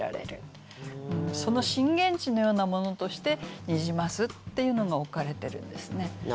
その震源地のようなものとして「ニジマス」っていうのが置かれてるんですね。